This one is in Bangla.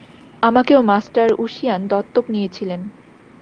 আমাকেও মাস্টার ঊশিয়ান দত্তক নিয়েছিলেন।